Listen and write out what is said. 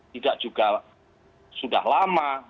tidak juga sudah lama